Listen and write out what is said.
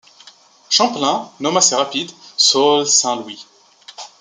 Champlain nomma ces rapides Sault Saint-Louis.